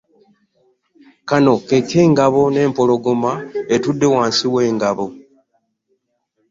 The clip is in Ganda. Kano ke k’engabo n’empologoma etudde wansi w’engabo.